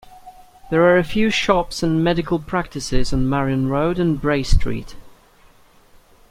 There are a few shops and medical practices on Marion Road and Bray Street.